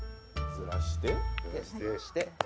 ずらして。